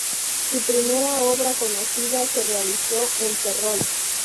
Su primera obra conocida se realizó en Ferrol.